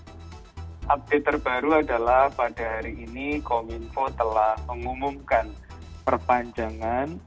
update terbaru adalah pada hari ini kominfo telah mengumumkan perpanjangan